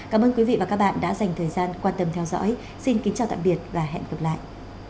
cảm ơn quý vị và các bạn đã dành thời gian quan tâm theo dõi xin kính chào tạm biệt và hẹn gặp lại